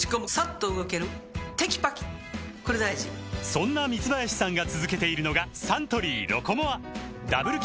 そんな三林さんが続けているのがサントリー「ロコモア」ダブル